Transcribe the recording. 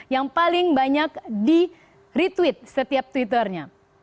yang paling banyak di retweet setiap twitternya